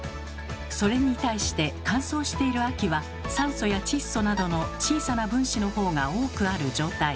それに対して乾燥している秋は酸素や窒素などの小さな分子のほうが多くある状態。